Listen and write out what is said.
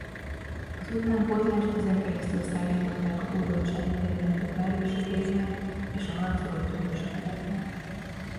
Az utánpótlást ezen keresztül szállították a hódoltsági területek várőrségeinek és a harcoló török seregeknek.